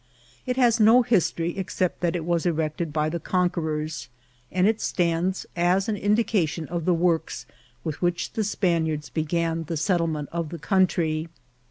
It has no history except that it was erected by the conquerors, and it stands as an indication of the works with which the Spaniards began the settlement of the country.